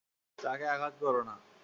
তাকে আঘাত কোরো না!